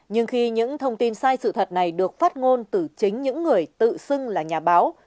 nhưng khi những thông tin sai sự thật này được phát ngôn từ chính những người tự xưng là nhà báo